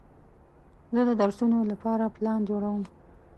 زه د درسونو لپاره پلان جوړوم.